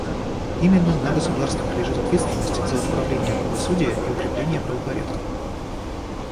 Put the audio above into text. Именно на государствах лежит ответственность за отправление правосудия и укрепление правопорядка.